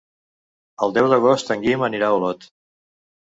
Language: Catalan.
El deu d'agost en Guim anirà a Olot.